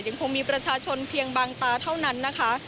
ยังคงมีประชาชนเพียงบางตาเท่านั้นนะคะ